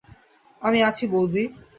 আমি আছি বউদি।